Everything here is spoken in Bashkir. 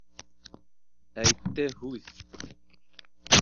Әйтте һүҙ!